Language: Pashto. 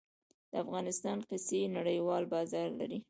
د افغانستان قیسی نړیوال بازار لري